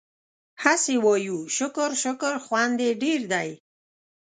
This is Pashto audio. هسې وايو شکر شکر خوند يې ډېر دی